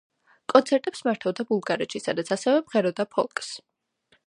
კონცერტებს მართავდა ბულგარეთში, სადაც ასევე მღეროდა ფოლკს.